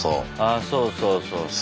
あそうそうそうそう。